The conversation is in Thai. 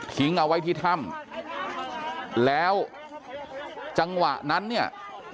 เอาไว้ที่ถ้ำแล้วจังหวะนั้นเนี่ย